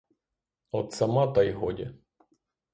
От сама та й годі.